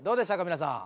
皆さん。